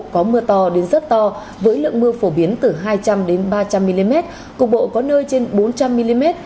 có mưa to đến rất to với lượng mưa phổ biến từ hai trăm linh ba trăm linh mm cục bộ có nơi trên bốn trăm linh mm